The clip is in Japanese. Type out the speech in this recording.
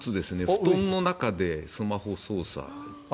布団の中でスマホ操作。